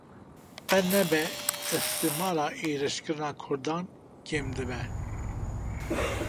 Qe nebe ihtimala êrîşkirina Kurdan kêm dibe.